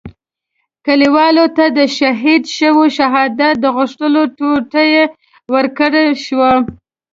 کلیوالو ته د شهید شوي شهادي د غوښو ټوټې ورکړل شوې.